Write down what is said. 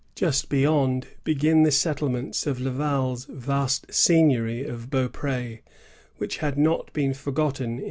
Just beyond, begin the settlements of Laval's vast seign iory of Beaupr^, which had not been forgotten in the 1665 72.